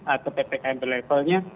atau ppkm levelnya